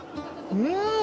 うん！